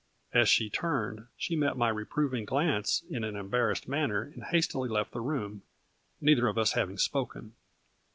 As she turned she met my reproving glance in an embarrassed manner and hastily left the room, neither of us having spoken.